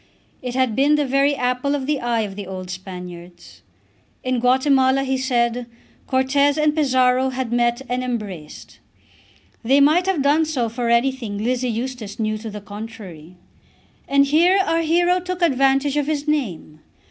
It had been the very apple of the eye of the old Spaniards. In Guatemala, he said, Cortez and Pizarro had met and embraced. They might have done so for anything Lizzie Eustace knew to the contrary. And here our hero took advantage of his name.